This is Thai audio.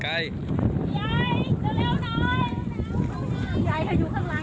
กลับบนสักหลังเข้าไปแล้วตรงวิ่งค่ะวิ่ง